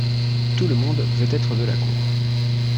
Tout le monde veut être de la cour.